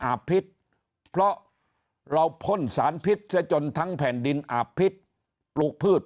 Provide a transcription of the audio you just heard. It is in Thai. พิษเพราะเราพ่นสารพิษซะจนทั้งแผ่นดินอาบพิษปลูกพืช